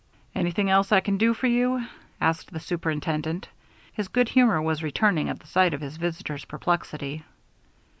"Anything else I can do for you?" asked the superintendent. His good humor was returning at the sight of his visitor's perplexity.